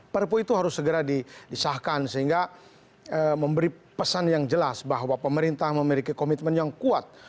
perpu itu harus segera disahkan sehingga memberi pesan yang jelas bahwa pemerintah memiliki komitmen yang kuat